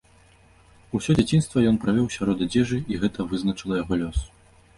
Усё дзяцінства ён правёў сярод адзежы, і гэта вызначыла яго лёс.